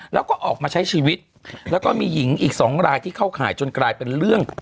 แล้วก็ออกมาใช้ชีวิตแล้วก็มีหญิงอีกสองรายที่เข้าข่ายจนกลายเป็นเรื่อง